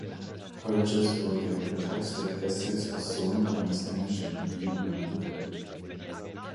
Purchas wurde in Thaxted, Essex, als Sohn eines englischen Yeoman geboren.